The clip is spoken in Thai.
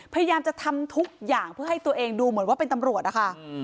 พยายามจะทำทุกอย่างเพื่อให้ตัวเองดูเหมือนว่าเป็นตำรวจนะคะ